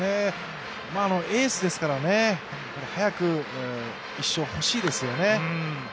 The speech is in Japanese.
エースですから、早く１勝欲しいですよね。